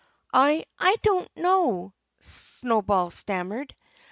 "I I don't know," Snowball stammered.